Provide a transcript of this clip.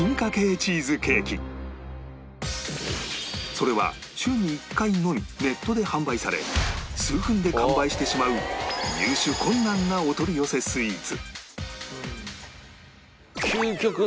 それは週に１回のみネットで販売され数分で完売してしまう入手困難なお取り寄せスイーツ